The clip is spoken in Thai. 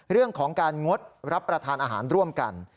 เรื่องของการงดรับประทานอาหารร่วมกัน